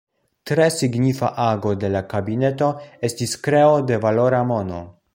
Tre signifa ago de la kabineto estis kreo de valora mono.